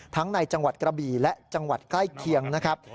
ในจังหวัดกระบี่และจังหวัดใกล้เคียงนะครับ